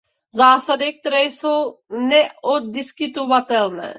Zásady, které jsou neoddiskutovatelné.